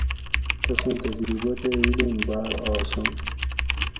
تسوں تجربہ تے علم باۤر آشاں